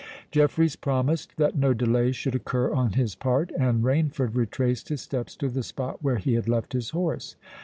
Jeffreys promised that no delay should occur on his part; and Rainford retraced his steps to the spot where he had left his horse.